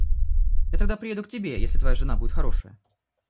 Я тогда приеду к тебе, если твоя жена будет хорошая.